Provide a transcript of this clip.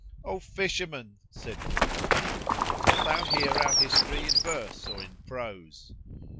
"O fisherman," said Nur al Din, "Wilt thou hear our history in verse or in prose?"